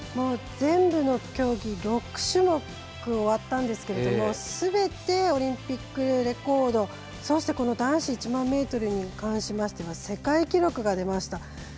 全部の競技、６種目終わったんですけれどもすべて、オリンピックレコードそして、男子１００００ｍに関しましては世界記録が出ました。